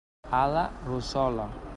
A la rossola.